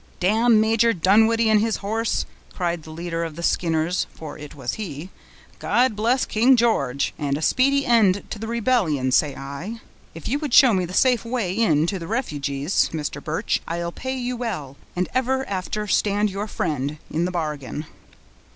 "Damn Major Dunwoodie and his horse!" cried the leader of the Skinners (for it was he); "God bless King George! and a speedy end to the rebellion, say I. If you would show me the safe way in to the refugees, Mr. Birch, I'll pay you well, and ever after stand your friend, in the bargain."